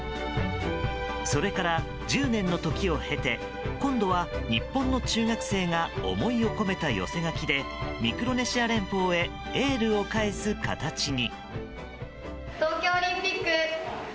それから１０年の時を経て今度は日本の中学生が思いを込めた寄せ書きでミクロネシア連邦へエールを返す形に。